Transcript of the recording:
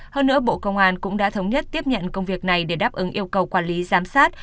hơn nữa bộ công an cũng đã thống nhất tiếp nhận công việc này để đáp ứng yêu cầu quản lý giám sát